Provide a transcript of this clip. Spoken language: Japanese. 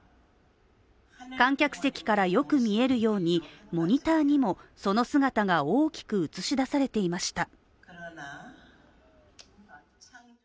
観客席からよく見えるようにモニターにもその姿が大きく映し出されていました。